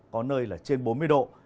có nơi là trên bốn mươi độ